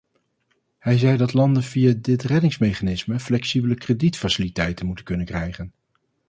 Hij zei dat landen via dit reddingsmechanisme flexibele kredietfaciliteiten moeten kunnen krijgen.